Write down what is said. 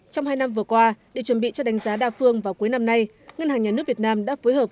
trong hai năm vừa qua để chuẩn bị cho đánh giá đa phương vào cuối năm nay ngân hàng nhà nước việt nam đã phối hợp